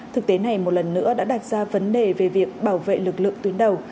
thực tế này một lần nữa đã đặt ra vấn đề về việc bảo vệ lực lượng tuyến đầu